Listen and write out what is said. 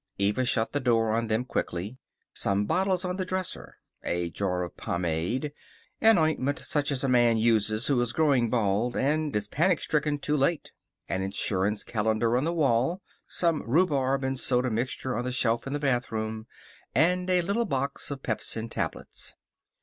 Eva shut the door on them quickly. Some bottles on the dresser. A jar of pomade. An ointment such as a man uses who is growing bald and is panic stricken too late. An insurance calendar on the wall. Some rhubarb and soda mixture on the shelf in the bathroom, and a little box of pepsin tablets.